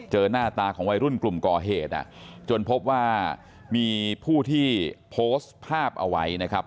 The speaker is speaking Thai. หน้าตาของวัยรุ่นกลุ่มก่อเหตุจนพบว่ามีผู้ที่โพสต์ภาพเอาไว้นะครับ